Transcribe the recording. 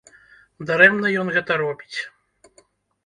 Дарэмна ён гэта робіць.